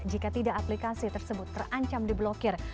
jika tidak aplikasi tersebut terancam diblokir